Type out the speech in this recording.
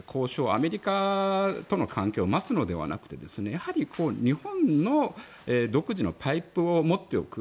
アメリカとの関係を待つのではなくてやはり日本の独自のパイプを持っておく。